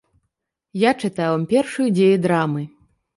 Я чытаў ім першую дзею драмы.